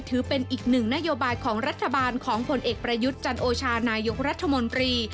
ถือเป็นอีกหนึ่งนโยบายของรัฐบาลของผลเอกประยุทธ์จันโอชานายกรัฐมนตรี